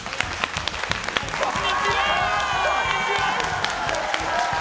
こんにちは！